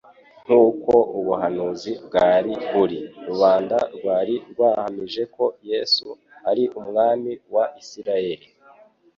Nk'uko ubuhanuzi bwari buri, rubanda rwari rwahamije ko Yesu ari Umwami wa Isiraeli.